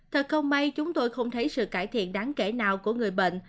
thật không may chúng tôi không thấy sự cải thiện đáng kể nào của người bệnh